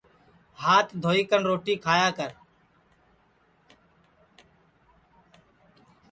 ہات دھوئی کن روٹی کھایا کر